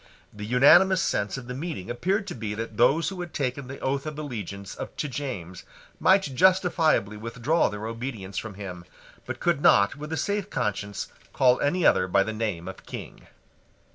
The unanimous sense of the meeting appeared to be that those who had taken the oath of allegiance to James might justifiably withdraw their obedience from him, but could not with a safe conscience call any other by the name of King.